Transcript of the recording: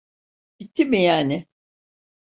Bitti mi yani?